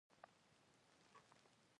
غږ د شیدو خوند دی